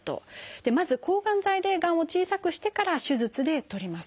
まず抗がん剤でがんを小さくしてから手術で取ります。